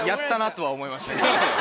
とは思いました。